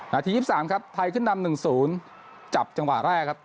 นาทียิบสามครับไทยขึ้นดำหนึ่งศูนย์จับจังหวะแรกครับ